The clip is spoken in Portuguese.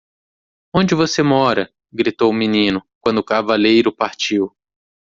"Onde você mora?" Gritou o menino? quando o cavaleiro partiu.